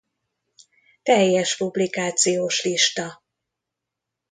Teljes publikációs lista